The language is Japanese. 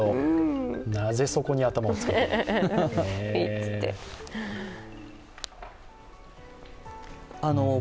なぜそこに頭をつけるのか。